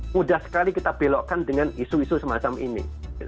mudah sekali kita belokkan dengan isu isu semacam ini